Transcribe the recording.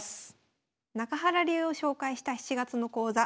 中原流を紹介した７月の講座